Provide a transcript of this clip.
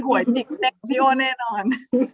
หัวจิ๊บแม่ของพี่โอ้แน่นอน